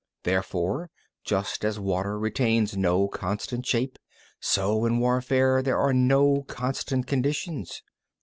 32. Therefore, just as water retains no constant shape, so in warfare there are no constant conditions.